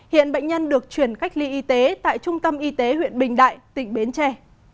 hiện bệnh nhân được chuyển cách ly y tế tại trung tâm y tế huyện bình đại tỉnh bến tre